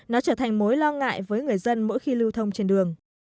nó trở thành mối lo ngại với người dân mỗi khi lưu thông trên đường